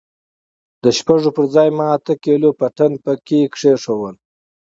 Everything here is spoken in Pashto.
د شپږو پر ځاى مې اته کيلو پټن پکښې کښېښوول.